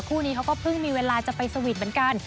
คู่นี้เขาก็เพิ่งมีเวลาจะไปสวีทเหมือนกัน